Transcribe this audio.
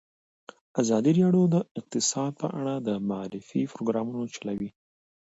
ازادي راډیو د اقتصاد په اړه د معارفې پروګرامونه چلولي.